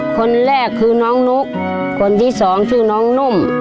คนแรกคือน้องนุ๊กคนที่สองชื่อน้องนุ่ม